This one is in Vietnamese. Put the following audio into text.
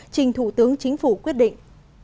trình thủ tướng chính phủ quyết định